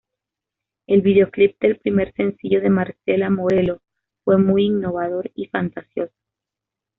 El videoclip del primer sencillo de Marcela Morelo fue muy innovador y fantasioso.